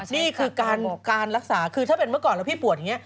นี่คือการรักษาคือถ้าเป็นเมื่อก่อนแล้วพี่ปวดอย่างนี้